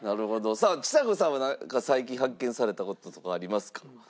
さあちさ子さんはなんか最近発見された事とかありますか？